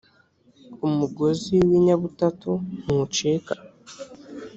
umugozi uw inyabutatu ntucika